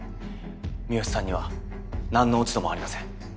三好さんには何の落ち度もありません。